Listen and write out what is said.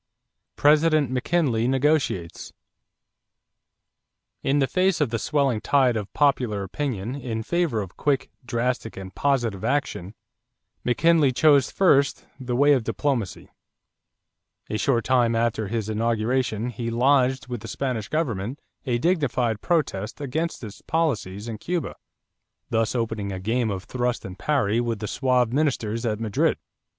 =President McKinley Negotiates.= In the face of the swelling tide of popular opinion in favor of quick, drastic, and positive action, McKinley chose first the way of diplomacy. A short time after his inauguration he lodged with the Spanish government a dignified protest against its policies in Cuba, thus opening a game of thrust and parry with the suave ministers at Madrid.